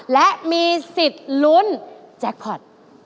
และมีสิทธิ์ลุ้นแจ๊กพอถ